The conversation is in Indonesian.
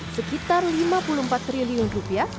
sekitar lima puluh empat triliun rupiah